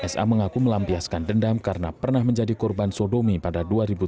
sa mengaku melampiaskan dendam karena pernah menjadi korban sodomi pada dua ribu delapan